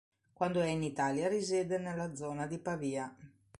Quando è in Italia risiede nella zona di Pavia.